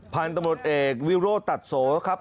พันธุ์ตำรวจเอกวิโรธตัดโสครับ